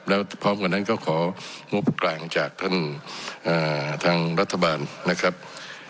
แล้วพร้อมกันนั้นก็ของงบกลางจากท่านทางรัฐบาลนะครับ